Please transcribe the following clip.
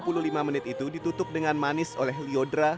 penyajian selama dua puluh lima menit itu ditutup dengan manis oleh lyodra